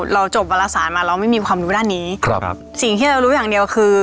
เราจบวารสารมาเราไม่มีความรู้ด้านนี้ครับสิ่งที่เรารู้อย่างเดียวคือ